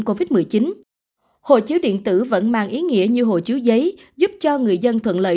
covid một mươi chín hộ chiếu điện tử vẫn mang ý nghĩa như hộ chiếu giấy giúp cho người dân thuận lợi